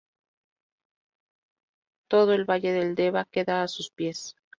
Todo el valle del Deva queda a sus pies.